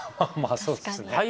まあそうですね。